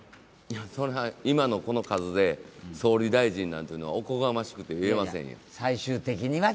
それは今のこの数で総理大臣なんていうのはおこがましくて言えませんよ。